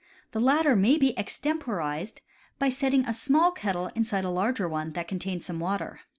The latter may be extemporized by setting a small kettle inside a larger one that contains some water.